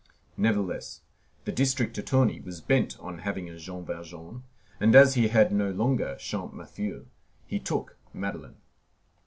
Nevertheless, the district attorney was bent on having a Jean Valjean; and as he had no longer Champmathieu, he took Madeleine.